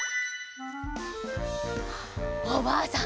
おばあさん